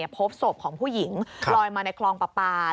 พบศพของผู้หญิงลอยมาในคลองปลาปลา